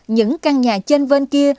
những căn nhà chân vân kia